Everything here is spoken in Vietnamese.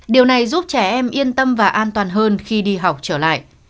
điều này giúp trẻ em yên tâm và an toàn hơn khi đi học trở lại